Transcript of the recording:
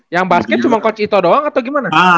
yang basket cuma coach itu doang atau gimana